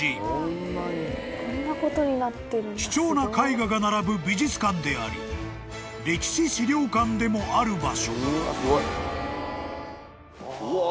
［貴重な絵画が並ぶ美術館であり歴史資料館でもある場所］うわ。